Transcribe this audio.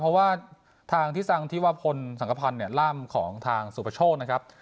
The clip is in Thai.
เพราะว่าทางที่สังธิวพลสังกภัณฑ์เนี่ยร่ามของทางสุประโชคนะครับ